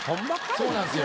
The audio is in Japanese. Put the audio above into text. そうなんすよ。